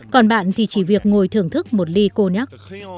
còn bạn thì chỉ việc ngồi thưởng thức một ly conac